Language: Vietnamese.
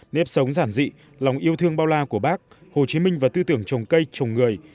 nếp sống giản dị lòng yêu thương bao la của bác hồ chí minh và tư tưởng trồng cây trồng người